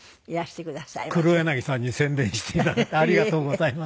黒柳さんに宣伝して頂いてありがとうございます。